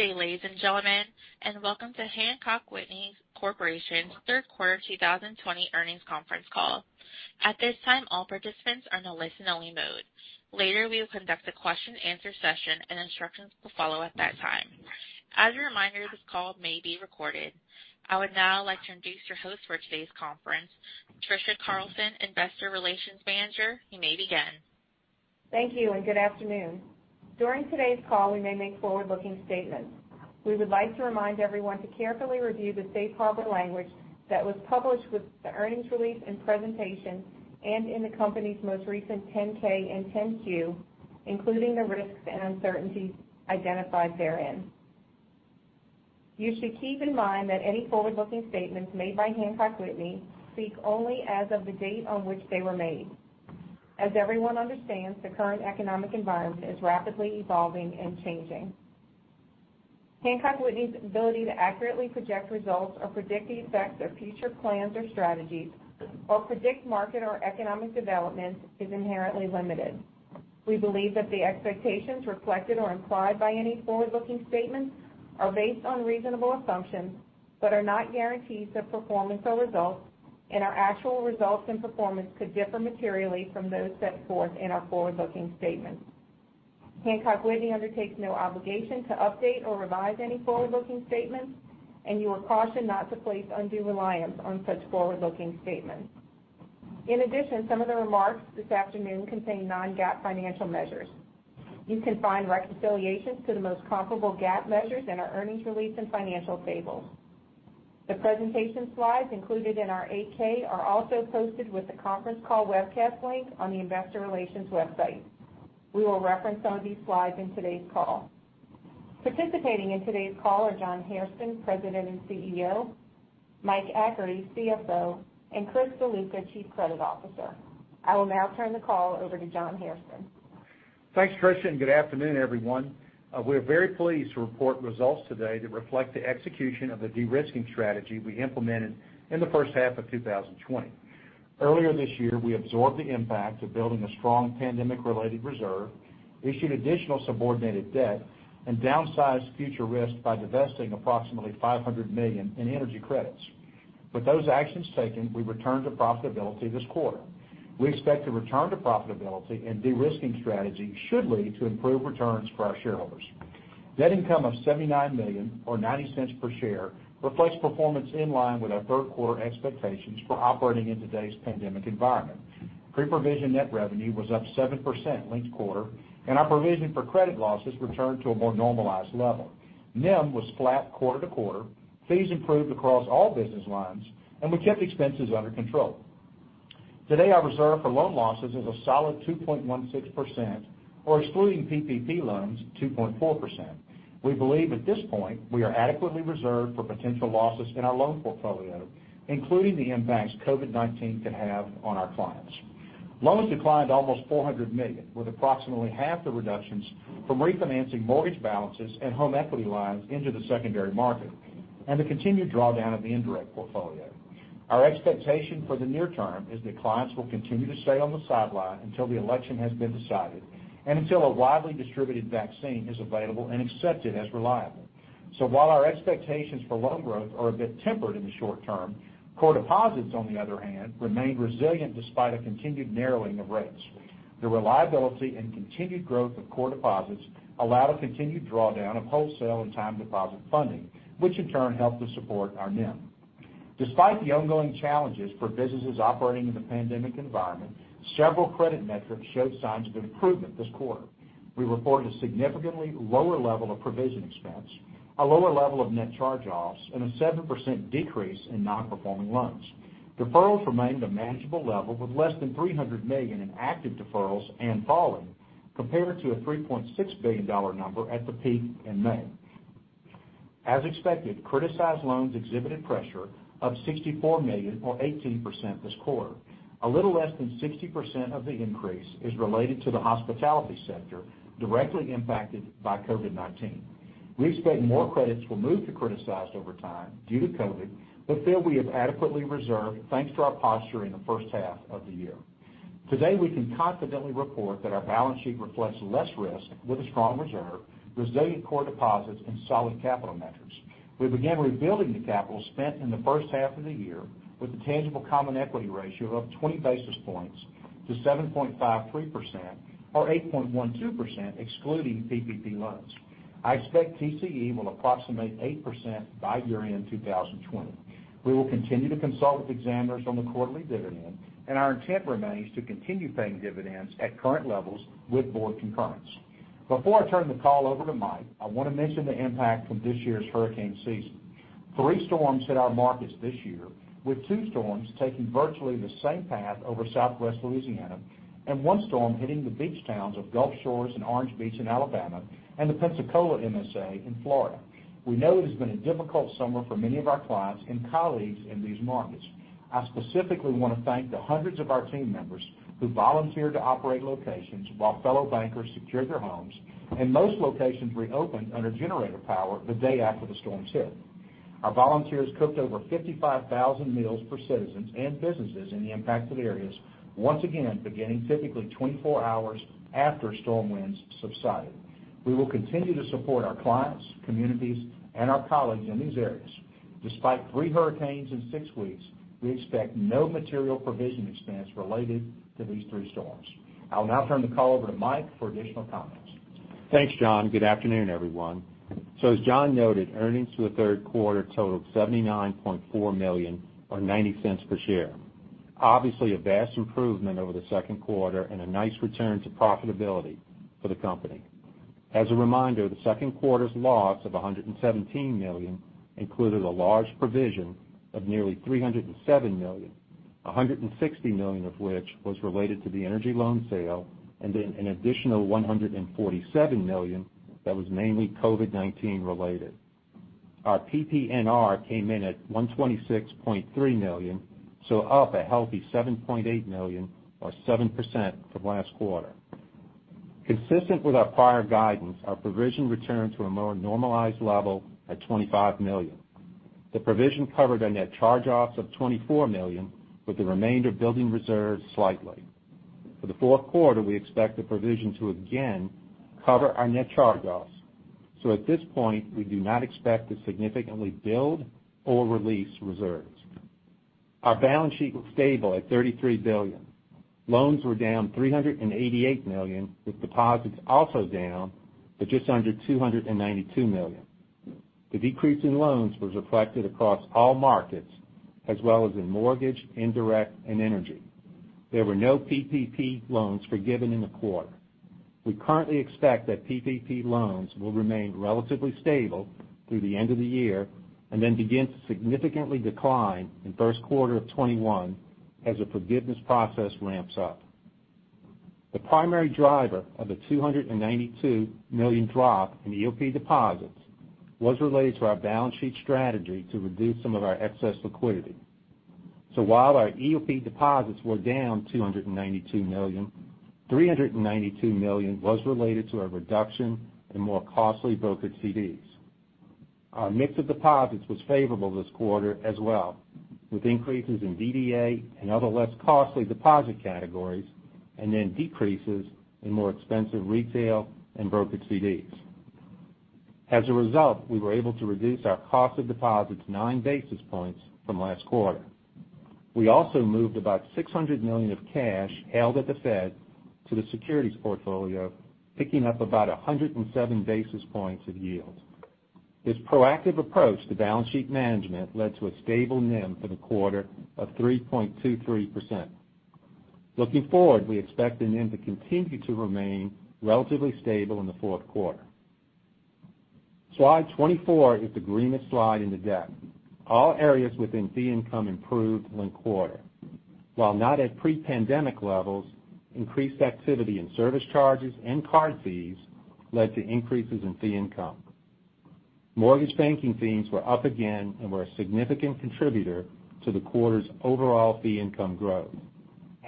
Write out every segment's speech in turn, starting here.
Good day, ladies and gentlemen, and welcome to Hancock Whitney Corporation's third quarter 2020 earnings conference call. At this time, all participants are in a listen-only mode. Later, we will conduct a question and answer session, and instructions will follow at that time. As a reminder, this call may be recorded. I would now like to introduce your host for today's conference, Trisha Carlson, Investor Relations Manager. You may begin. Thank you, and good afternoon. During today's call, we may make forward-looking statements. We would like to remind everyone to carefully review the safe harbor language that was published with the earnings release and presentation and in the company's most recent 10-K and 10-Q, including the risks and uncertainties identified therein. You should keep in mind that any forward-looking statements made by Hancock Whitney speak only as of the date on which they were made. As everyone understands, the current economic environment is rapidly evolving and changing. Hancock Whitney's ability to accurately project results or predict the effects of future plans or strategies or predict market or economic developments is inherently limited. We believe that the expectations reflected or implied by any forward-looking statements are based on reasonable assumptions, but are not guarantees of performance or results, and our actual results and performance could differ materially from those set forth in our forward-looking statements. Hancock Whitney undertakes no obligation to update or revise any forward-looking statements, and you are cautioned not to place undue reliance on such forward-looking statements. In addition, some of the remarks this afternoon contain non-GAAP financial measures. You can find reconciliations to the most comparable GAAP measures in our earnings release and financial tables. The presentation slides included in our 8-K are also posted with the conference call webcast link on the investor relations website. We will reference some of these slides in today's call. Participating in today's call are John Hairston, President and CEO, Mike Achary, CFO, and Chris Ziluca, Chief Credit Officer. I will now turn the call over to John Hairston. Thanks, Trisha, and good afternoon, everyone. We're very pleased to report results today that reflect the execution of the de-risking strategy we implemented in the first half of 2020. Earlier this year, we absorbed the impact of building a strong pandemic-related reserve, issued additional subordinated debt, and downsized future risk by divesting approximately $500 million in energy credits. With those actions taken, we returned to profitability this quarter. We expect the return to profitability and de-risking strategy should lead to improved returns for our shareholders. Net income of $79 million or $0.90 per share reflects performance in line with our third quarter expectations for operating in today's pandemic environment. Pre-provision net revenue was up 7% linked quarter, and our provision for credit losses returned to a more normalized level. NIM was flat quarter-to-quarter, fees improved across all business lines, and we kept expenses under control. Today, our reserve for loan losses is a solid 2.16%, or excluding PPP loans, 2.4%. We believe at this point, we are adequately reserved for potential losses in our loan portfolio, including the impacts COVID-19 could have on our clients. Loans declined almost $400 million, with approximately half the reductions from refinancing mortgage balances and home equity lines into the secondary market and the continued drawdown of the indirect portfolio. Our expectation for the near term is that clients will continue to stay on the sideline until the election has been decided and until a widely distributed vaccine is available and accepted as reliable. While our expectations for loan growth are a bit tempered in the short term, core deposits, on the other hand, remain resilient despite a continued narrowing of rates. The reliability and continued growth of core deposits allow a continued drawdown of wholesale and time deposit funding, which in turn help to support our NIM. Despite the ongoing challenges for businesses operating in the pandemic environment, several credit metrics showed signs of improvement this quarter. We reported a significantly lower level of provision expense, a lower level of net charge-offs, and a 7% decrease in non-performing loans. Deferrals remained a manageable level, with less than $300 million in active deferrals and falling, compared to a $3.6 billion number at the peak in May. As expected, criticized loans exhibited pressure of $64 million or 18% this quarter. A little less than 60% of the increase is related to the hospitality sector directly impacted by COVID-19. We expect more credits will move to criticized over time due to COVID, but feel we have adequately reserved thanks to our posture in the first half of the year. Today, we can confidently report that our balance sheet reflects less risk with a strong reserve, resilient core deposits, and solid capital metrics. We began rebuilding the capital spent in the first half of the year with a tangible common equity ratio of up 20 basis points to 7.53%, or 8.12% excluding PPP loans. I expect TCE will approximate 8% by year-end 2020. We will continue to consult with examiners on the quarterly dividend, and our intent remains to continue paying dividends at current levels with board concurrence. Before I turn the call over to Mike, I want to mention the impact from this year's hurricane season. Three storms hit our markets this year, with two storms taking virtually the same path over Southwest Louisiana and one storm hitting the beach towns of Gulf Shores and Orange Beach in Alabama and the Pensacola MSA in Florida. We know it has been a difficult summer for many of our clients and colleagues in these markets. I specifically want to thank the hundreds of our team members who volunteered to operate locations while fellow bankers secured their homes, and most locations reopened under generator power the day after the storms hit. Our volunteers cooked over 55,000 meals for citizens and businesses in the impacted areas, once again, beginning typically 24 hours after storm winds subsided. We will continue to support our clients, communities, and our colleagues in these areas. Despite three hurricanes in six weeks, we expect no material provision expense related to these three storms. I'll now turn the call over to Mike for additional comments. Thanks, John. Good afternoon, everyone. As John noted, earnings for the third quarter totaled $79.4 million, or $0.90 per share. Obviously, a vast improvement over the second quarter and a nice return to profitability for the company. As a reminder, the second quarter's loss of $117 million included a large provision of nearly $307 million, $160 million of which was related to the energy loan sale, and then an additional $147 million that was mainly COVID-19 related. Our PPNR came in at $126.3 million, up a healthy $7.8 million or 7% from last quarter. Consistent with our prior guidance, our provision returned to a more normalized level at $25 million. The provision covered our net charge-offs of $24 million, with the remainder building reserves slightly. For the fourth quarter, we expect the provision to again cover our net charge-offs. At this point, we do not expect to significantly build or release reserves. Our balance sheet looked stable at $33 billion. Loans were down $388 million, with deposits also down to just under $292 million. The decrease in loans was reflected across all markets as well as in mortgage, indirect, and energy. There were no PPP loans forgiven in the quarter. We currently expect that PPP loans will remain relatively stable through the end of the year and then begin to significantly decline in the first quarter of 2021 as the forgiveness process ramps up. The primary driver of the $292 million drop in EOP deposits was related to our balance sheet strategy to reduce some of our excess liquidity. While our EOP deposits were down $292 million, $392 million was related to a reduction in more costly brokered CDs. Our mix of deposits was favorable this quarter as well, with increases in DDA and other less costly deposit categories and then decreases in more expensive retail and brokered CDs. As a result, we were able to reduce our cost of deposits nine basis points from last quarter. We also moved about $600 million of cash held at the Fed to the securities portfolio, picking up about 107 basis points of yield. This proactive approach to balance sheet management led to a stable NIM for the quarter of 3.23%. Looking forward, we expect the NIM to continue to remain relatively stable in the fourth quarter. Slide 24 is the greenest slide in the deck. All areas within fee income improved when quartered. While not at pre-pandemic levels, increased activity in service charges and card fees led to increases in fee income. Mortgage banking fees were up again and were a significant contributor to the quarter's overall fee income growth,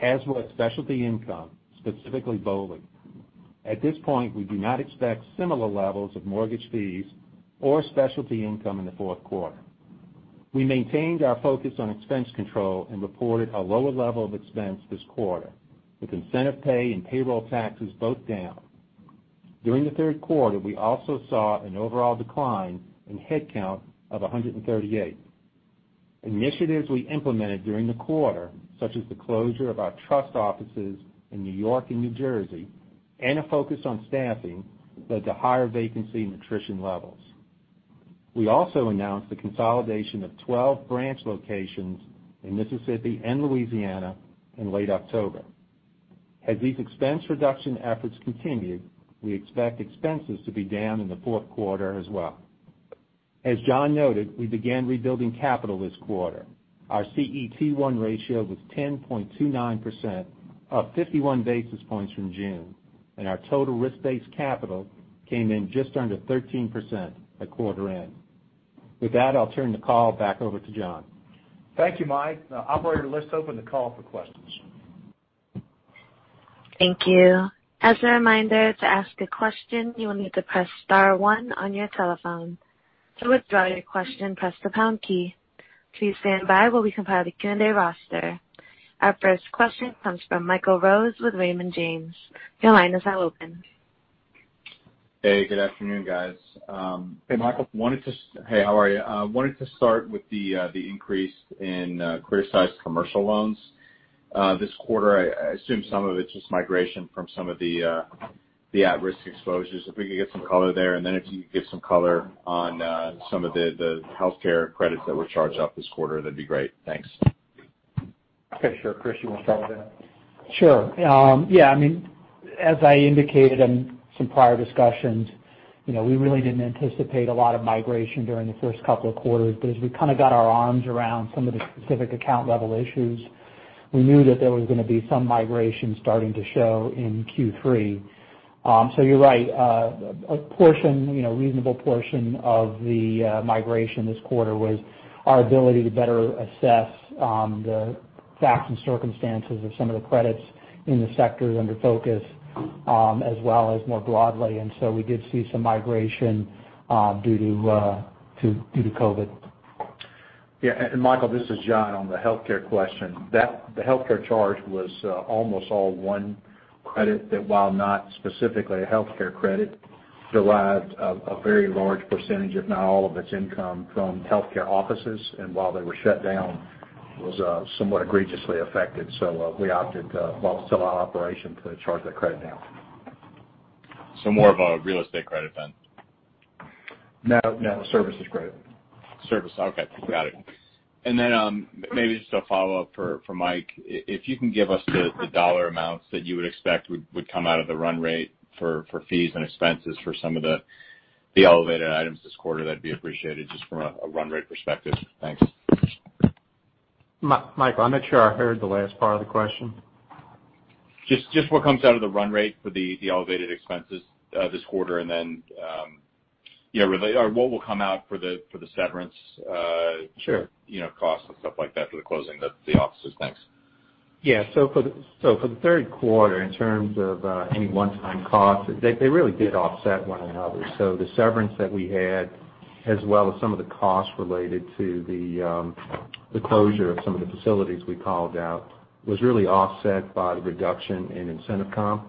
as was specialty income, specifically BOLI. At this point, we do not expect similar levels of mortgage fees or specialty income in the fourth quarter. We maintained our focus on expense control and reported a lower level of expense this quarter, with incentive pay and payroll taxes both down. During the third quarter, we also saw an overall decline in headcount of 138. Initiatives we implemented during the quarter, such as the closure of our trust offices in New York and New Jersey and a focus on staffing, led to higher vacancy and attrition levels. We also announced the consolidation of 12 branch locations in Mississippi and Louisiana in late October. As these expense reduction efforts continued, we expect expenses to be down in the fourth quarter as well. As John noted, we began rebuilding capital this quarter. Our CET1 ratio was 10.29%, up 51 basis points from June, and our total risk-based capital came in just under 13% at quarter end. With that, I'll turn the call back over to John. Thank you, Mike. Now, operator, let's open the call for questions. Thank you. As a reminder, to ask a question, you will need to press star one on your telephone. To withdraw your question, press the pound key. Please stand by while we compile the Q&A roster. Our first question comes from Michael Rose with Raymond James. Your line is now open. Hey, good afternoon, guys. Hey, Michael. Hey, how are you? I wanted to start with the increase in criticized commercial loans. This quarter, I assume some of it's just migration from some of the at-risk exposures. If we could get some color there, and then if you could give some color on some of the healthcare credits that were charged up this quarter, that'd be great. Thanks. Okay, sure. Chris, you want to start with that? Sure. Yeah, as I indicated in some prior discussions, we really didn't anticipate a lot of migration during the first couple of quarters, but as we kind of got our arms around some of the specific account level issues, we knew that there was going to be some migration starting to show in Q3. You're right. A portion, reasonable portion of the migration this quarter was our ability to better assess the facts and circumstances of some of the credits in the sectors under focus as well as more broadly. We did see some migration due to COVID. Yeah. Michael, this is John, on the healthcare question. The healthcare charge was almost all one credit that while not specifically a healthcare credit, derived a very large percentage, if not all of its income from healthcare offices, and while they were shut down, was somewhat egregiously affected. We opted, while still on operation to charge that credit now. More of a real estate credit then? No. Services credit. Service. Okay. Got it. Then maybe just a follow-up for Mike, if you can give us the dollar amounts that you would expect would come out of the run rate for fees and expenses for some of the elevated items this quarter, that'd be appreciated just from a run rate perspective. Thanks. Michael, I'm not sure I heard the last part of the question. Just what comes out of the run rate for the elevated expenses this quarter, and then what will come out for the severance? Sure Costs and stuff like that for the closing of the offices. Thanks. Yeah. For the third quarter, in terms of any one-time costs, they really did offset one another. The severance that we had, as well as some of the costs related to the closure of some of the facilities we called out, was really offset by the reduction in incentive comp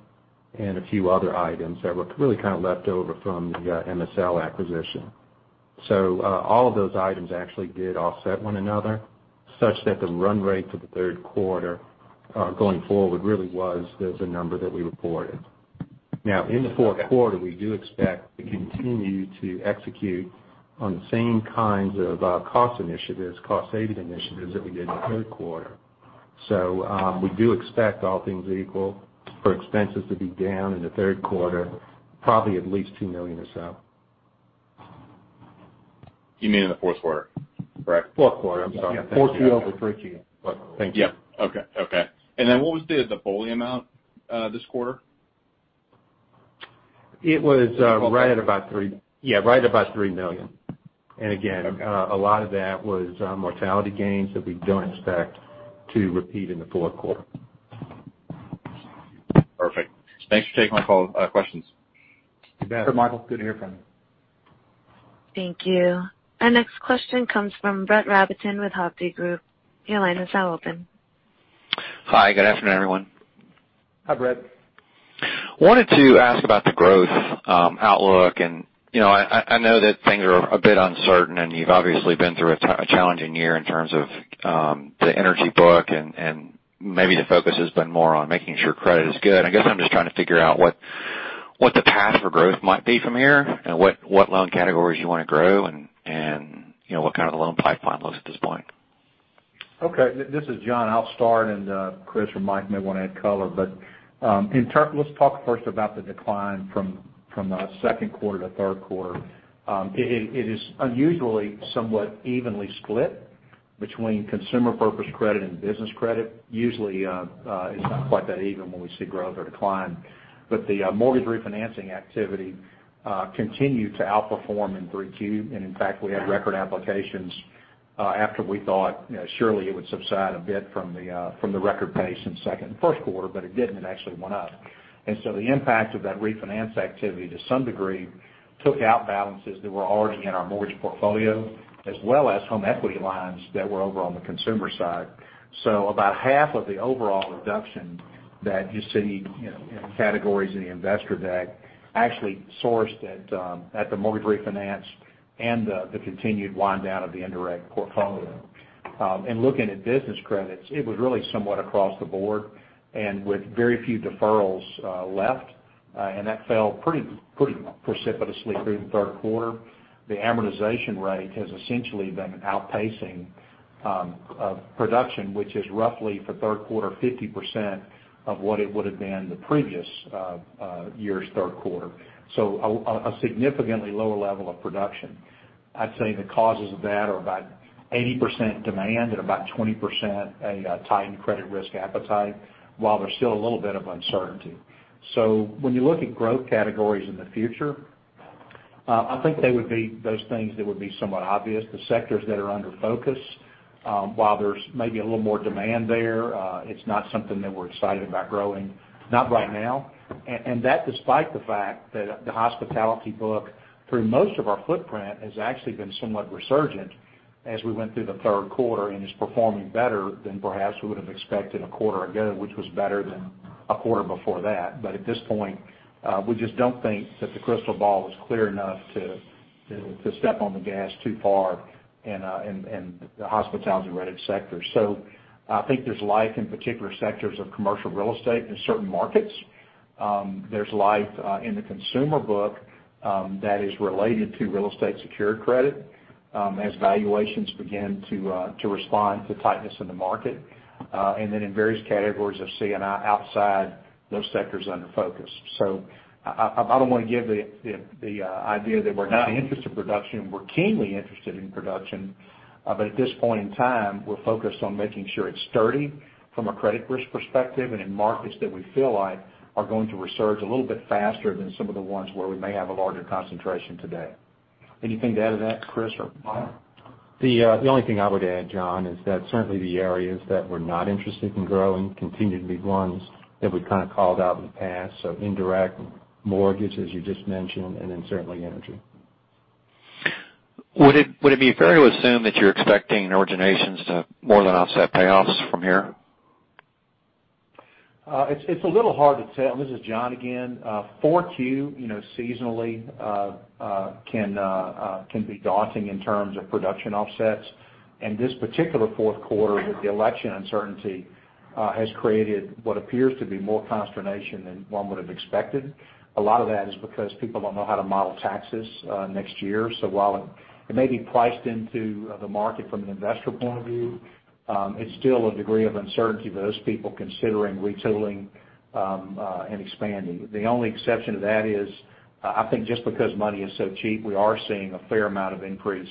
and a few other items that were really kind of left over from the MSL acquisition. All of those items actually did offset one another, such that the run rate for the third quarter going forward really was the number that we reported. Now, in the fourth quarter, we do expect to continue to execute on the same kinds of cost initiatives, cost-saving initiatives that we did in the third quarter. We do expect all things equal for expenses to be down in the third quarter, probably at least $2 million or so. You mean in the fourth quarter, correct? Fourth quarter. I'm sorry. Yeah. Thank you. 4Q over 3Q. Yep. Okay. What was the BOLI amount this quarter? It was right about $3 million. Again, a lot of that was mortality gains that we don't expect to repeat in the fourth quarter. Perfect. Thanks for taking my questions. You bet. Michael, good to hear from you. Thank you. Our next question comes from Brett Rabatin with Hovde Group. Hi. Good afternoon, everyone. Hi, Brett. Wanted to ask about the growth outlook, and I know that things are a bit uncertain, and you've obviously been through a challenging year in terms of the energy book and maybe the focus has been more on making sure credit is good. I guess I'm just trying to figure out what the path for growth might be from here, and what loan categories you want to grow and what the loan pipeline looks at this point. Okay. This is John. I'll start and Chris or Mike may want to add color. Let's talk first about the decline from second quarter to third quarter. It is unusually somewhat evenly split between consumer purpose credit and business credit. Usually, it's not quite that even when we see growth or decline. The mortgage refinancing activity continued to outperform in 3Q. In fact, we had record applications after we thought surely it would subside a bit from the record pace in second and first quarter, but it didn't. It actually went up. The impact of that refinance activity, to some degree, took out balances that were already in our mortgage portfolio, as well as home equity lines that were over on the consumer side. About half of the overall reduction that you see in categories in the investor deck actually sourced at the mortgage refinance and the continued wind down of the indirect portfolio. Looking at business credits, it was really somewhat across the board and with very few deferrals left, and that fell pretty precipitously through the third quarter. The amortization rate has essentially been outpacing production, which is roughly for third quarter, 50% of what it would've been the previous year's third quarter. A significantly lower level of production. I'd say the causes of that are about 80% demand and about 20% a tightened credit risk appetite, while there's still a little bit of uncertainty. When you look at growth categories in the future, I think they would be those things that would be somewhat obvious. The sectors that are under focus, while there's maybe a little more demand there, it's not something that we're excited about growing, not right now. That despite the fact that the hospitality book through most of our footprint has actually been somewhat resurgent as we went through the third quarter and is performing better than perhaps we would've expected a quarter ago, which was better than a quarter before that. At this point, we just don't think that the crystal ball is clear enough to step on the gas too far in the hospitality-rented sector. I think there's life in particular sectors of commercial real estate in certain markets. There's life in the consumer book that is related to real estate secured credit as valuations begin to respond to tightness in the market. Then in various categories of C&I outside those sectors under focus. I don't want to give the idea that we're not interested in production. We're keenly interested in production. At this point in time, we're focused on making sure it's sturdy from a credit risk perspective and in markets that we feel like are going to resurge a little bit faster than some of the ones where we may have a larger concentration today. Anything to add to that, Chris or Mike? The only thing I would add, John, is that certainly the areas that we're not interested in growing continue to be ones that we kind of called out in the past. Indirect mortgage, as you just mentioned, and then certainly energy. Would it be fair to assume that you're expecting originations to more than offset payoffs from here? It's a little hard to tell. This is John again. 4Q seasonally can be daunting in terms of production offsets. This particular fourth quarter, with the election uncertainty, has created what appears to be more consternation than one would've expected. A lot of that is because people don't know how to model taxes next year. While it may be priced into the market from an investor point of view, it's still a degree of uncertainty for those people considering retooling and expanding. The only exception to that is, I think just because money is so cheap, we are seeing a fair amount of increase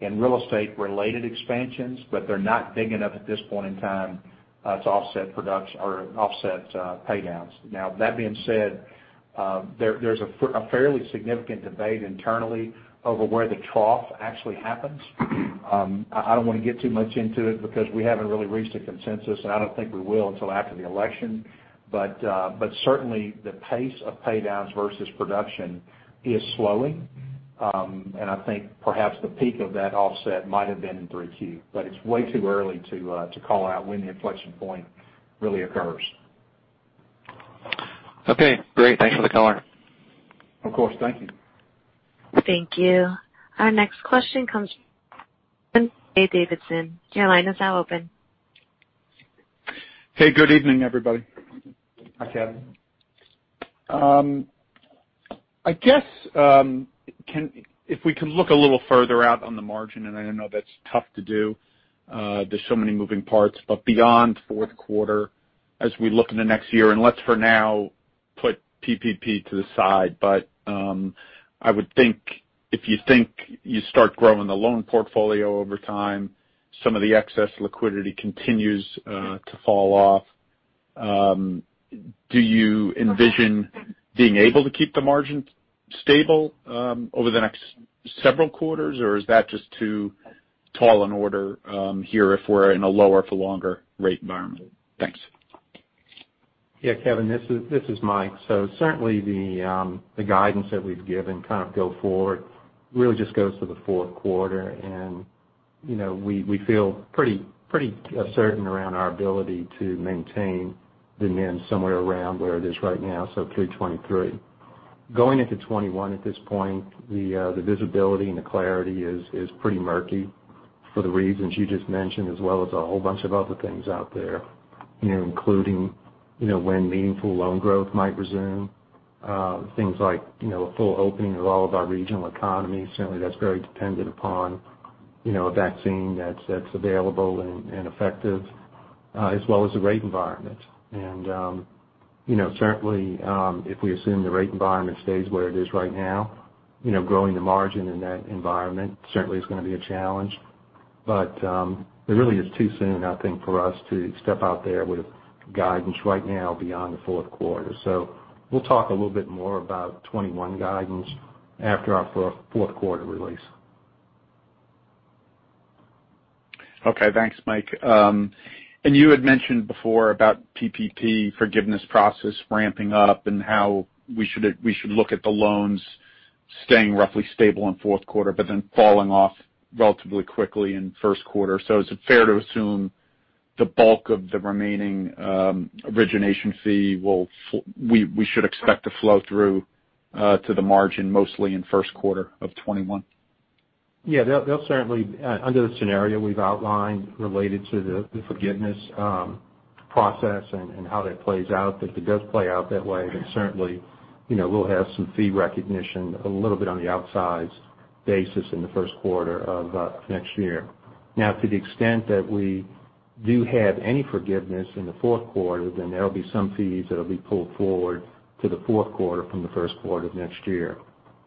in real estate-related expansions, but they're not big enough at this point in time to offset production or offset paydowns. Now, that being said, there's a fairly significant debate internally over where the trough actually happens. I don't want to get too much into it because we haven't really reached a consensus, and I don't think we will until after the election. Certainly the pace of paydowns versus production is slowing. I think perhaps the peak of that offset might have been in 3Q, but it's way too early to call out when the inflection point really occurs. Okay, great. Thanks for the color. Of course. Thank you. Thank you. Our next question comes from Kevin Davidson. Your line is now open. Hey, good evening, everybody. Hi, Kevin. I guess, if we can look a little further out on the margin, and I know that's tough to do, there's so many moving parts. Beyond fourth quarter as we look in the next year, and let's for now put PPP to the side, but I would think if you think you start growing the loan portfolio over time, some of the excess liquidity continues to fall off. Do you envision being able to keep the margin stable over the next several quarters, or is that just too tall an order here if we're in a lower for longer rate environment? Thanks. Yeah, Kevin, this is Mike. Certainly the guidance that we've given kind of go forward really just goes to the fourth quarter and we feel pretty certain around our ability to maintain the NIM somewhere around where it is right now, 2.23%. Going into 2021 at this point, the visibility and the clarity is pretty murky for the reasons you just mentioned, as well as a whole bunch of other things out there, including when meaningful loan growth might resume. Things like a full opening of all of our regional economies. Certainly, that's very dependent upon a vaccine that's available and effective, as well as the rate environment. Certainly, if we assume the rate environment stays where it is right now, growing the margin in that environment certainly is going to be a challenge. It really is too soon, I think, for us to step out there with guidance right now beyond the fourth quarter. We'll talk a little bit more about 2021 guidance after our fourth quarter release. Okay, thanks, Mike. You had mentioned before about PPP forgiveness process ramping up and how we should look at the loans staying roughly stable in fourth quarter, but then falling off relatively quickly in first quarter. Is it fair to assume the bulk of the remaining origination fee, we should expect to flow through to the margin mostly in first quarter of 2021? Yeah. Under the scenario we've outlined related to the forgiveness process and how that plays out, if it does play out that way, then certainly, we'll have some fee recognition a little bit on the outsized basis in the first quarter of next year. To the extent that we do have any forgiveness in the fourth quarter, then there'll be some fees that'll be pulled forward to the fourth quarter from the first quarter of next year.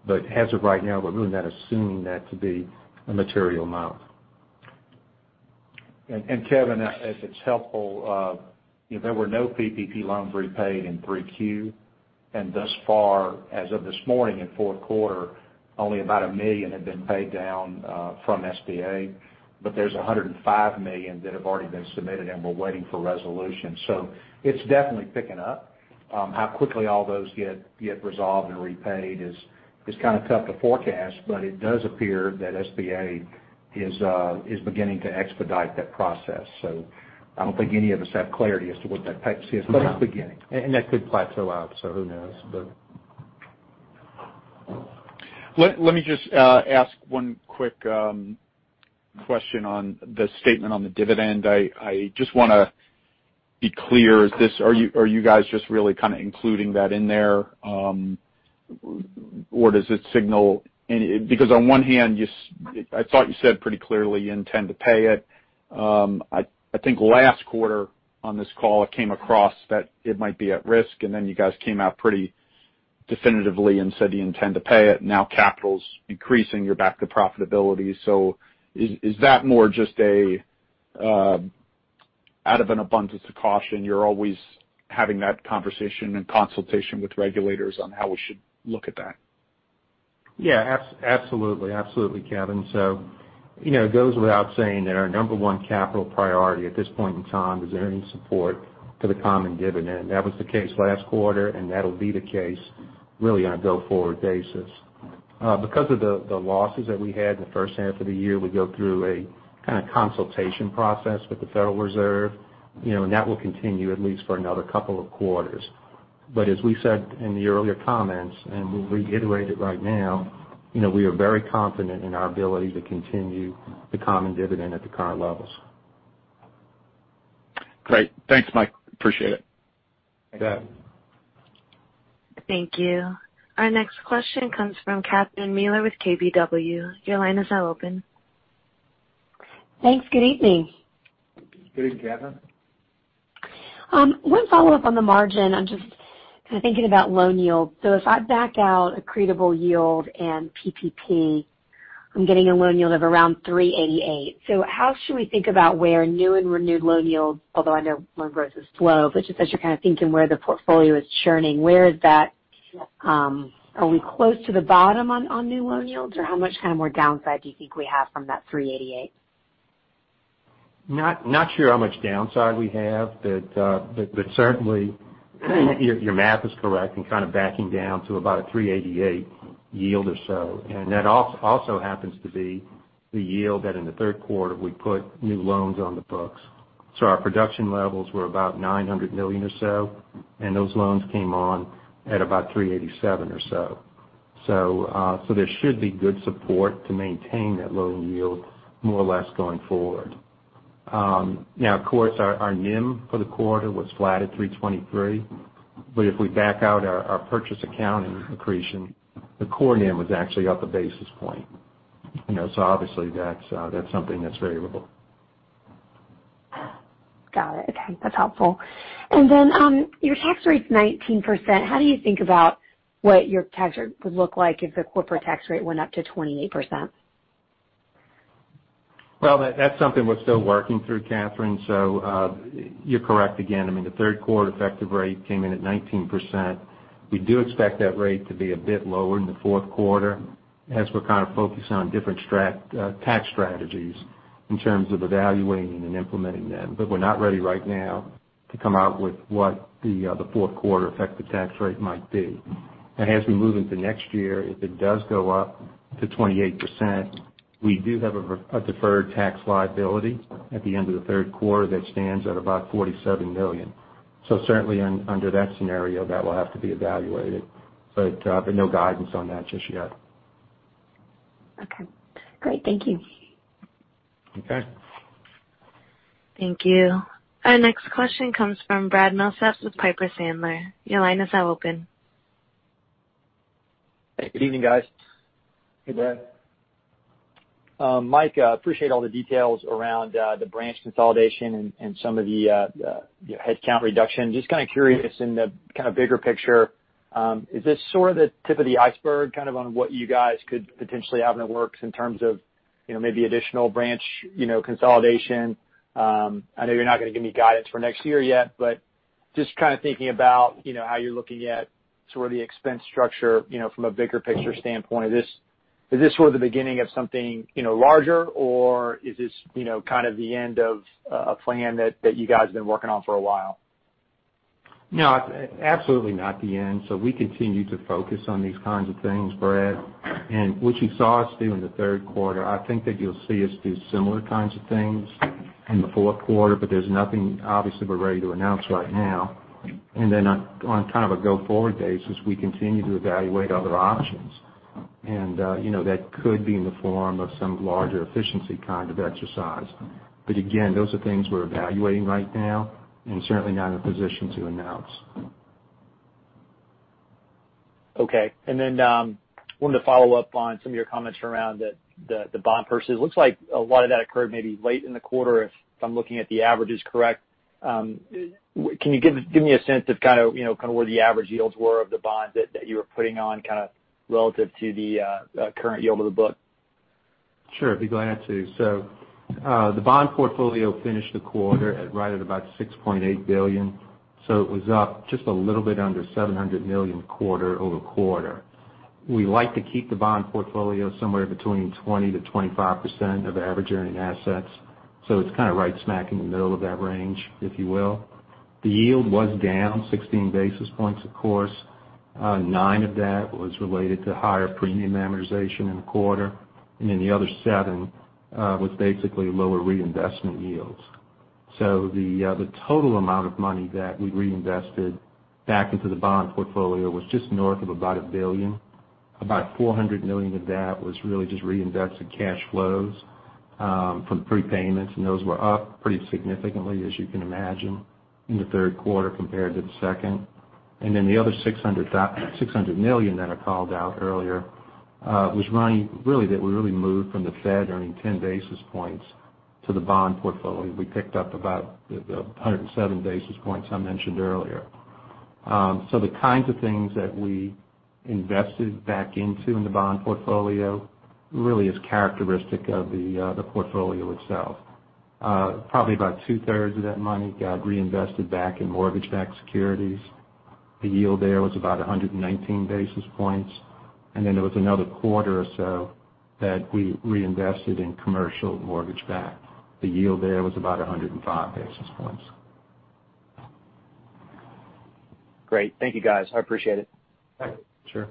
As of right now, we're really not assuming that to be a material amount. Kevin, if it's helpful, there were no PPP loans repaid in 3Q. Thus far, as of this morning in fourth quarter, only about a million had been paid down from SBA, but there's $105 million that have already been submitted and we're waiting for resolution. It's definitely picking up. How quickly all those get resolved and repaid is kind of tough to forecast, but it does appear that SBA is beginning to expedite that process. I don't think any of us have clarity as to what that pace is, but it's beginning. That could plateau out, so who knows? Let me just ask one quick question on the statement on the dividend. I just want to be clear. Are you guys just really kind of including that in there, or does it signal any? Because on one hand, I thought you said pretty clearly you intend to pay it. I think last quarter on this call, it came across that it might be at risk. Then you guys came out pretty definitively and said you intend to pay it. Capital's increasing, you're back to profitability. Is that more just out of an abundance of caution, you're always having that conversation and consultation with regulators on how we should look at that? Absolutely, Kevin. It goes without saying that our number one capital priority at this point in time is earning support for the common dividend. That was the case last quarter, and that'll be the case really on a go-forward basis. Because of the losses that we had in the first half of the year, we go through a kind of consultation process with the Federal Reserve, and that will continue at least for another couple of quarters. As we said in the earlier comments, and we reiterate it right now, we are very confident in our ability to continue the common dividend at the current levels. Great. Thanks, Mike. Appreciate it. Thanks, Kevin. Thank you. Our next question comes from Catherine Mealor with KBW. Thanks. Good evening. Good evening, Catherine. One follow-up on the margin. I'm just kind of thinking about loan yield. If I back out accretable yield and PPP, I'm getting a loan yield of around 3.88%. How should we think about where new and renewed loan yields, although I know loan growth is slow, but just as you're kind of thinking where the portfolio is churning, where is that? Are we close to the bottom on new loan yields, or how much kind of more downside do you think we have from that 3.88%? Not sure how much downside we have. Certainly, your math is correct in kind of backing down to about a 3.88% yield or so. That also happens to be the yield that in the third quarter we put new loans on the books. Our production levels were about $900 million or so. Those loans came on at about 3.87% or so. There should be good support to maintain that loan yield more or less going forward. Of course, our NIM for the quarter was flat at 3.23%. If we back out our purchase accounting accretion, the core NIM was actually up a basis point. Obviously, that's something that's variable. Got it. Okay, that's helpful. Then, your tax rate's 19%. How do you think about what your tax rate would look like if the corporate tax rate went up to 28%? That's something we're still working through, Catherine. You're correct again. I mean, the third quarter effective rate came in at 19%. We do expect that rate to be a bit lower in the fourth quarter as we're kind of focused on different tax strategies in terms of evaluating and implementing them. We're not ready right now to come out with what the fourth quarter effective tax rate might be. As we move into next year, if it does go up to 28%, we do have a deferred tax liability at the end of the third quarter that stands at about $47 million. Certainly, under that scenario, that will have to be evaluated. No guidance on that just yet. Okay. Great. Thank you. Okay. Thank you. Our next question comes from Brad Milsaps with Piper Sandler. Your line is now open. Hey, good evening, guys. Hey, Brad. Mike, appreciate all the details around the branch consolidation and some of the headcount reduction. Just kind of curious in the kind of bigger picture, is this sort of the tip of the iceberg kind of on what you guys could potentially have in the works in terms of maybe additional branch consolidation? I know you're not going to give me guidance for next year yet, but just kind of thinking about how you're looking at sort of the expense structure from a bigger picture standpoint. Is this sort of the beginning of something larger, or is this kind of the end of a plan that you guys have been working on for a while? No, absolutely not the end. We continue to focus on these kinds of things, Brad. What you saw us do in the third quarter, I think that you'll see us do similar kinds of things in the fourth quarter. There's nothing, obviously, we're ready to announce right now. On kind of a go-forward basis, we continue to evaluate other options. That could be in the form of some larger efficiency kind of exercise. Again, those are things we're evaluating right now and certainly not in a position to announce. Okay. Wanted to follow up on some of your comments around the bond purchases. Looks like a lot of that occurred maybe late in the quarter, if I'm looking at the averages correct. Can you give me a sense of kind of where the average yields were of the bonds that you were putting on, kind of relative to the current yield of the book? Sure, I'd be glad to. The bond portfolio finished the quarter at right at about $6.8 billion. It was up just a little bit under $700 million quarter-over-quarter. We like to keep the bond portfolio somewhere between 20%-25% of average earning assets. It's kind of right smack in the middle of that range, if you will. The yield was down 16 basis points, of course. Nine of that was related to higher premium amortization in the quarter. The other seven was basically lower reinvestment yields. The total amount of money that we reinvested back into the bond portfolio was just north of about $1 billion. About $400 million of that was really just reinvested cash flows from prepayments, and those were up pretty significantly, as you can imagine, in the third quarter compared to the second. The other $600 million that I called out earlier, was money really that we moved from the Fed earning 10 basis points to the bond portfolio. We picked up about the 107 basis points I mentioned earlier. The kinds of things that we invested back into in the bond portfolio really is characteristic of the portfolio itself. Probably about two-thirds of that money got reinvested back in mortgage-backed securities. The yield there was about 119 basis points. There was another quarter or so that we reinvested in commercial mortgage-backed. The yield there was about 105 basis points. Great. Thank you, guys. I appreciate it. Sure.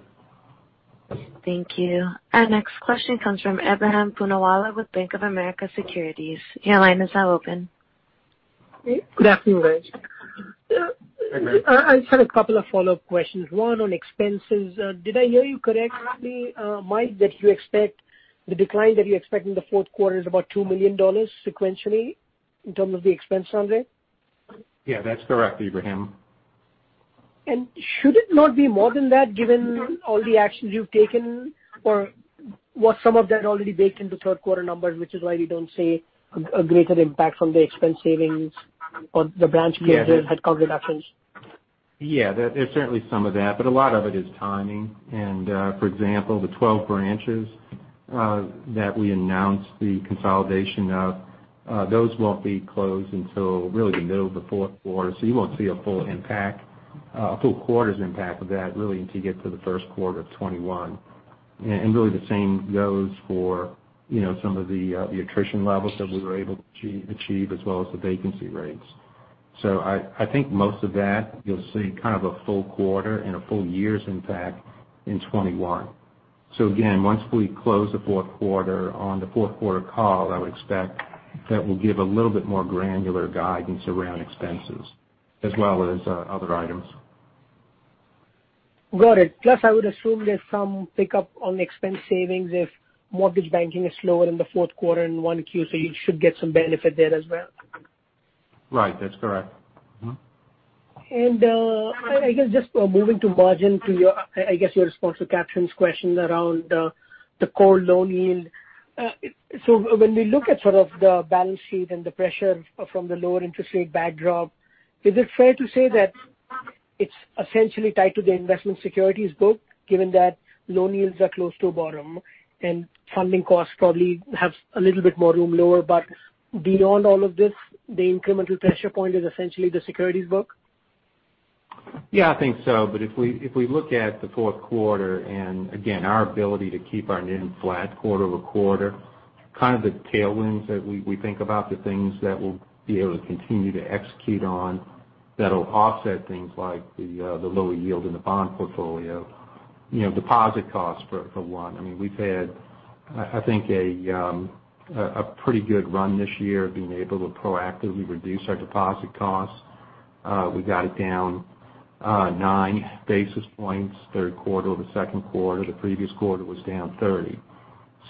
Thank you. Our next question comes from Ebrahim Poonawala with Bank of America Securities. Your line is now open. Good afternoon, guys. Hey. Hi. I just had a couple of follow-up questions. One on expenses. Did I hear you correctly, Mike, that the decline that you expect in the fourth quarter is about $2 million sequentially in terms of the expense run rate? Yeah, that's correct, Ebrahim. Should it not be more than that given all the actions you've taken, or was some of that already baked into third quarter numbers, which is why we don't see a greater impact from the expense savings or the branch closures? Yeah head count reductions? Yeah. There's certainly some of that, but a lot of it is timing. For example, the 12 branches that we announced the consolidation of, those won't be closed until really the middle of the fourth quarter. You won't see a full quarter's impact of that really until you get to the first quarter of 2021. Really the same goes for some of the attrition levels that we were able to achieve as well as the vacancy rates. I think most of that you'll see kind of a full quarter and a full year's impact in 2021. Again, once we close the fourth quarter on the fourth quarter call, I would expect that we'll give a little bit more granular guidance around expenses as well as other items. Got it. I would assume there's some pickup on expense savings if mortgage banking is slower in the fourth quarter and 1Q, so you should get some benefit there as well. Right. That's correct. I guess just moving to margin, to your, I guess, your response to Catherine's question around the core loan yield. When we look at sort of the balance sheet and the pressure from the lower interest rate backdrop, is it fair to say that it's essentially tied to the investment securities book, given that loan yields are close to a bottom and funding costs probably have a little bit more room lower, but beyond all of this, the incremental pressure point is essentially the securities book? Yeah, I think so. If we look at the fourth quarter, and again, our ability to keep our NIM flat quarter-over-quarter, kind of the tailwinds that we think about, the things that we'll be able to continue to execute on that'll offset things like the lower yield in the bond portfolio. Deposit costs, for one. We've had, I think, a pretty good run this year being able to proactively reduce our deposit costs. We got it down nine basis points third quarter over second quarter. The previous quarter was down 30.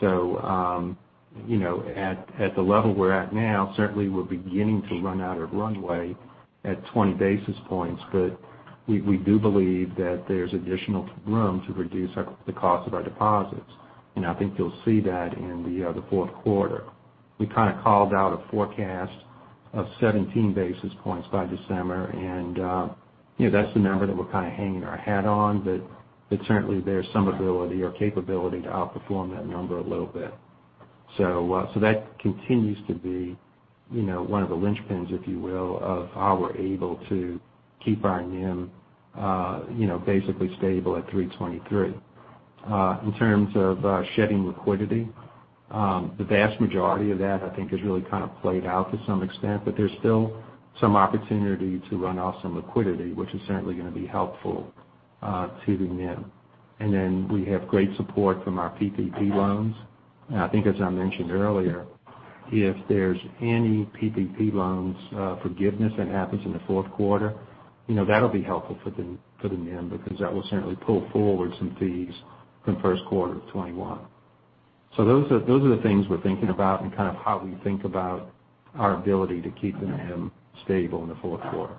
At the level we're at now, certainly we're beginning to run out of runway at 20 basis points, but we do believe that there's additional room to reduce the cost of our deposits. I think you'll see that in the fourth quarter. We kind of called out a forecast of 17 basis points by December, and that's the number that we're kind of hanging our hat on. Certainly there's some ability or capability to outperform that number a little bit. That continues to be one of the linchpins, if you will, of how we're able to keep our NIM basically stable at 3.23%. In terms of shedding liquidity, the vast majority of that, I think, has really kind of played out to some extent, but there's still some opportunity to run off some liquidity, which is certainly going to be helpful to the NIM. We have great support from our PPP loans. I think as I mentioned earlier, if there's any PPP loans forgiveness that happens in the fourth quarter, that'll be helpful for the NIM because that will certainly pull forward some fees from first quarter of 2021. Those are the things we're thinking about and kind of how we think about our ability to keep the NIM stable in the fourth quarter.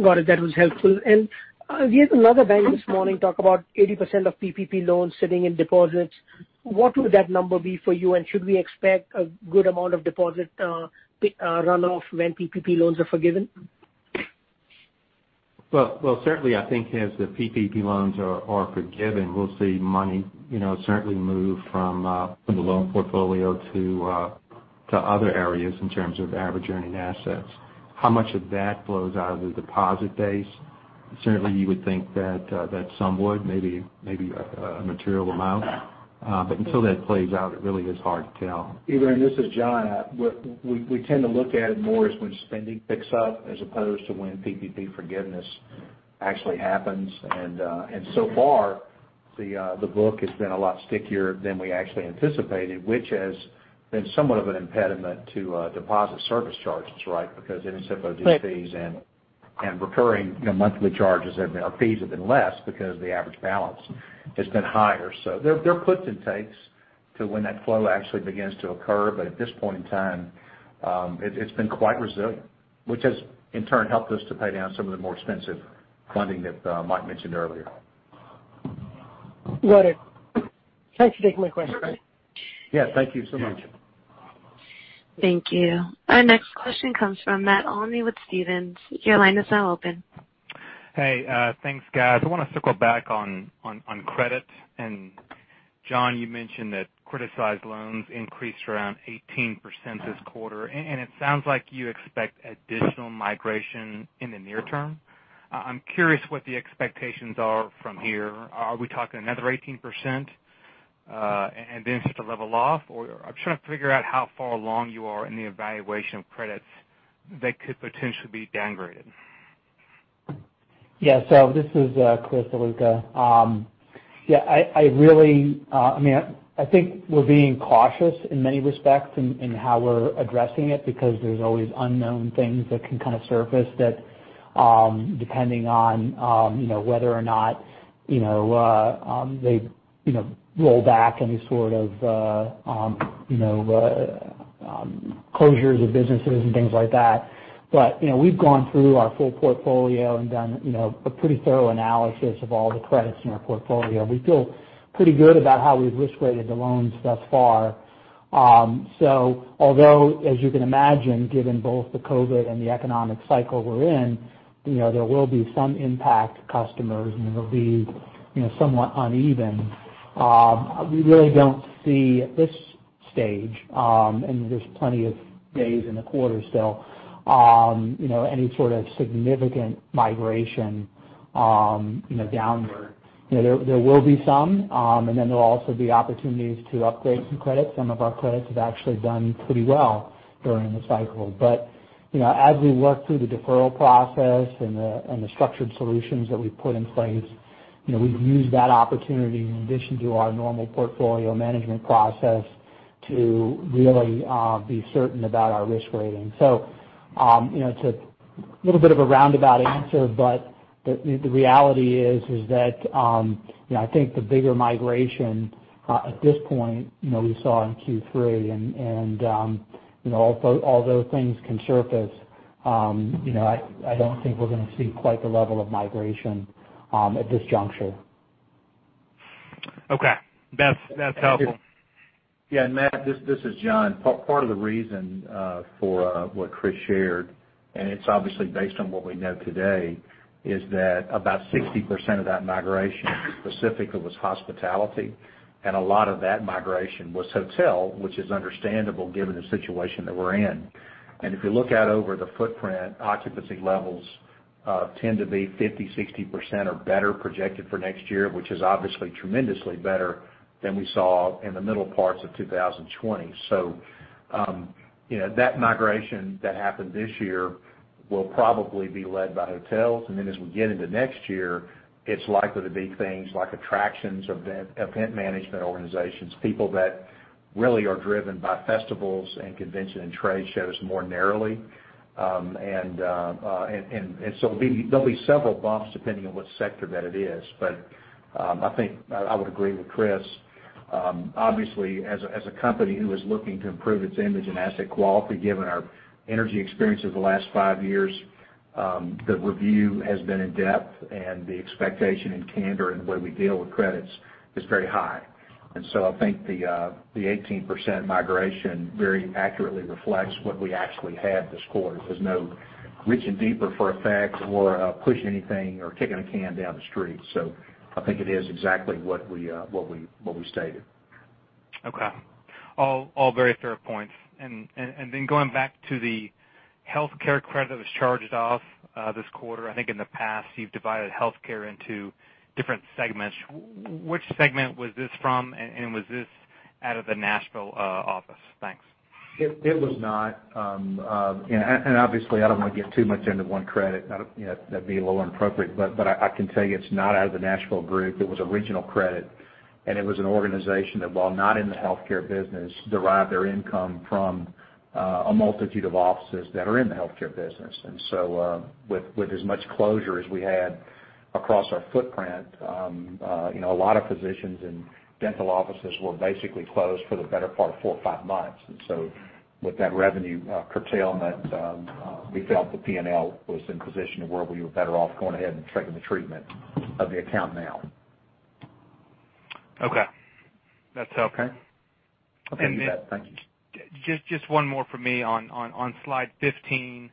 Got it. That was helpful. We had another bank this morning talk about 80% of PPP loans sitting in deposits. What would that number be for you, and should we expect a good amount of deposit runoff when PPP loans are forgiven? Well, certainly, I think as the PPP loans are forgiven, we'll see money certainly move from the loan portfolio to other areas in terms of average earning assets. How much of that flows out of the deposit base? Certainly, you would think that some would, maybe a material amount. Until that plays out, it really is hard to tell. Ebrahim, this is John. We tend to look at it more as when spending picks up as opposed to when PPP forgiveness actually happens. So far the book has been a lot stickier than we actually anticipated, which has been somewhat of an impediment to deposit service charges, right? Because NSF- Right fees and recurring monthly charges have been, or fees have been less because the average balance has been higher. There are puts and takes to when that flow actually begins to occur. At this point in time, it's been quite resilient, which has in turn helped us to pay down some of the more expensive funding that Mike mentioned earlier. Noted. Thanks for taking my question. Yeah, thank you so much. Thank you. Our next question comes from Matt Olney with Stephens. Hey, thanks guys. I want to circle back on credit. John, you mentioned that criticized loans increased around 18% this quarter, and it sounds like you expect additional migration in the near term. I'm curious what the expectations are from here. Are we talking another 18%, and then for it to level off? I'm trying to figure out how far along you are in the evaluation of credits that could potentially be downgraded. This is Chris Ziluca. I think we're being cautious in many respects in how we're addressing it, because there's always unknown things that can kind of surface that, depending on whether or not they roll back any sort of closures of businesses and things like that. We've gone through our full portfolio and done a pretty thorough analysis of all the credits in our portfolio. We feel pretty good about how we've risk-rated the loans thus far. Although, as you can imagine, given both the COVID-19 and the economic cycle we're in, there will be some impact to customers, and it'll be somewhat uneven. We really don't see at this stage, and there's plenty of days in the quarter still, any sort of significant migration downward. There will be some, and then there'll also be opportunities to upgrade some credits. Some of our credits have actually done pretty well during the cycle. As we work through the deferral process and the structured solutions that we've put in place, we've used that opportunity in addition to our normal portfolio management process to really be certain about our risk rating. It's a little bit of a roundabout answer, but the reality is that I think the bigger migration, at this point, we saw in Q3, and although things can surface, I don't think we're going to see quite the level of migration at this juncture. Okay. That's helpful. Yeah. Matt, this is John. Part of the reason for what Chris shared, and it's obviously based on what we know today, is that about 60% of that migration specifically was hospitality, and a lot of that migration was hotel, which is understandable given the situation that we're in. If you look out over the footprint, occupancy levels tend to be 50%, 60% or better projected for next year, which is obviously tremendously better than we saw in the middle parts of 2020. That migration that happened this year will probably be led by hotels, and then as we get into next year, it's likely to be things like attractions, event management organizations, people that really are driven by festivals and convention and trade shows more narrowly. There'll be several bumps depending on what sector that it is. I think I would agree with Chris. Obviously, as a company who is looking to improve its image and asset quality, given our energy experience over the last five years, the review has been in-depth, and the expectation and candor in the way we deal with credits is very high. I think the 18% migration very accurately reflects what we actually had this quarter. There's no reaching deeper for effect or pushing anything or kicking a can down the street. I think it is exactly what we stated. Okay. All very fair points. Then going back to the healthcare credit that was charged off this quarter. I think in the past you've divided healthcare into different segments. Which segment was this from, and was this out of the Nashville office? Thanks. It was not. Obviously I don't want to get too much into one credit. That'd be a little inappropriate, but I can tell you it's not out of the Nashville group. It was original credit, it was an organization that, while not in the healthcare business, derived their income from a multitude of offices that are in the healthcare business. With as much closure as we had across our footprint, a lot of physicians and dental offices were basically closed for the better part of four or five months. With that revenue curtailment, we felt the P&L was in a position to where we were better off going ahead and triggering the treatment of the account now. Okay. That's helpful. Okay. And then- Thanks. Just one more from me. On slide 15,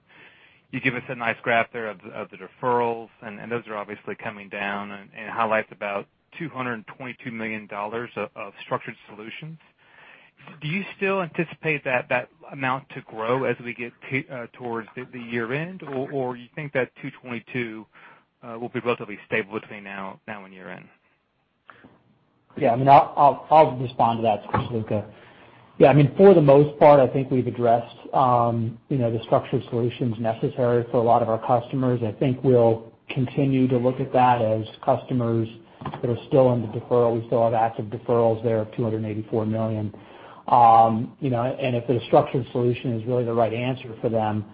you give us a nice graph there of the deferrals, and those are obviously coming down and highlights about $222 million of structured solutions. Do you still anticipate that amount to grow as we get towards the year-end, or you think that $222 million will be relatively stable between now and year-end? I'll respond to that, Chris Ziluca. For the most part, I think we've addressed the structured solutions necessary for a lot of our customers. I think we'll continue to look at that as customers that are still in the deferral. We still have active deferrals there of $284 million. If a structured solution is really the right answer for them,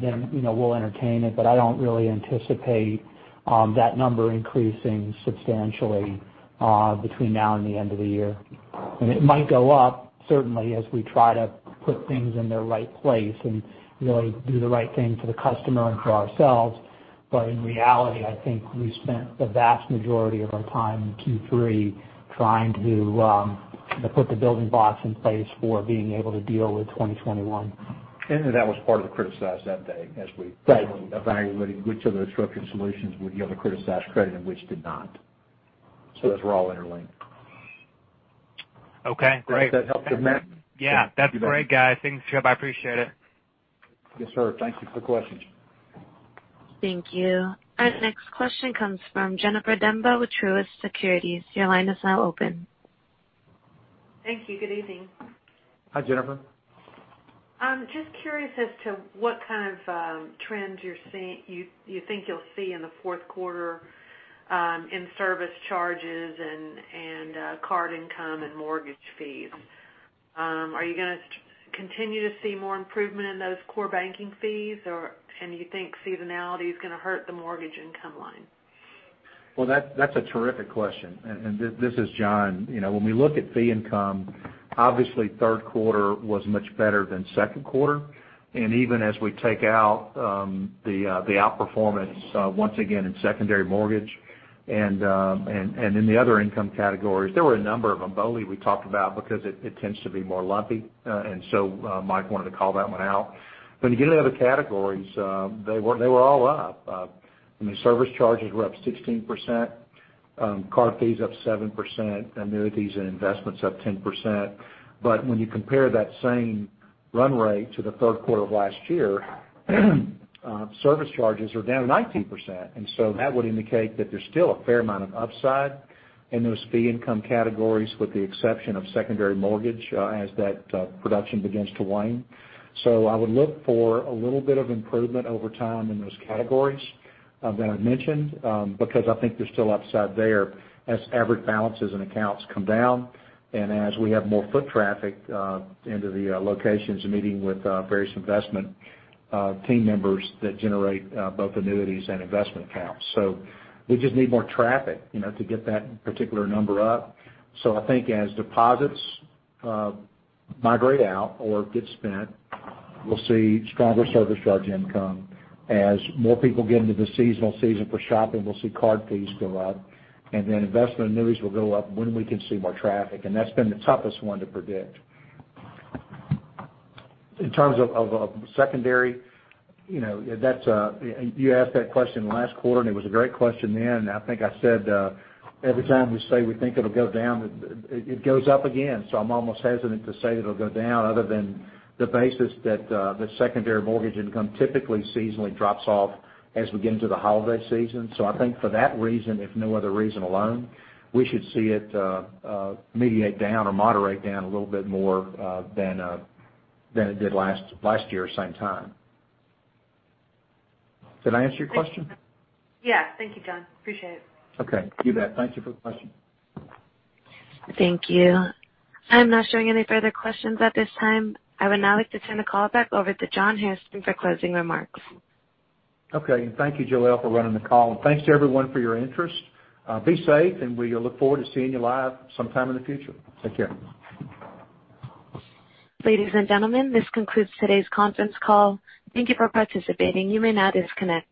then we'll entertain it. I don't really anticipate that number increasing substantially between now and the end of the year. It might go up, certainly, as we try to put things in the right place and really do the right thing for the customer and for ourselves. In reality, I think we spent the vast majority of our time in Q3 2020 trying to put the building blocks in place for being able to deal with 2021. That was part of the criticism that day. Right Evaluating which of those structured solutions would yield a criticized credit and which did not. Those were all interlinked. Okay, great. Does that help, Matt? That's great, guys. Thanks, John. I appreciate it. Yes, sir. Thank you for the question. Thank you. Our next question comes from Jennifer Demba with Truist Securities. Your line is now open. Thank you. Good evening. Hi, Jennifer. I'm just curious as to what kind of trends you think you'll see in the fourth quarter, in service charges and card income and mortgage fees. Are you going to continue to see more improvement in those core banking fees or you think seasonality is going to hurt the mortgage income line? Well, that's a terrific question. This is John. When we look at fee income, obviously third quarter was much better than second quarter. Even as we take out the outperformance once again in secondary mortgage and in the other income categories, there were a number of them. BOLI, we talked about, because it tends to be more lumpy. Mike wanted to call that one out. When you get into other categories, they were all up. I mean, service charges were up 16%, card fees up 7%, annuities and investments up 10%. When you compare that same run rate to the third quarter of last year, service charges are down 19%, and so that would indicate that there's still a fair amount of upside in those fee income categories, with the exception of secondary mortgage, as that production begins to wane. I would look for a little bit of improvement over time in those categories that I mentioned, because I think there's still upside there as average balances and accounts come down and as we have more foot traffic into the locations and meeting with various investment team members that generate both annuities and investment accounts. We just need more traffic to get that particular number up. I think as deposits migrate out or get spent, we'll see stronger service charge income. As more people get into the seasonal season for shopping, we'll see card fees go up. Then investment annuities will go up when we can see more traffic, and that's been the toughest one to predict. In terms of secondary, you asked that question last quarter, and it was a great question then, and I think I said, every time we say we think it'll go down, it goes up again. I'm almost hesitant to say that it'll go down other than the basis that the secondary mortgage income typically seasonally drops off as we get into the holiday season. I think for that reason, if no other reason alone, we should see it mediate down or moderate down a little bit more, than it did last year, same time. Did I answer your question? Yes. Thank you, John. Appreciate it. Okay, you bet. Thank you for the question. Thank you. I'm not showing any further questions at this time. I would now like to turn the call back over to John Hairston for closing remarks. Okay. Thank you, Joelle, for running the call. Thanks to everyone for your interest. Be safe, and we look forward to seeing you live sometime in the future. Take care. Ladies and gentlemen, this concludes today's conference call. Thank you for participating. You may now disconnect.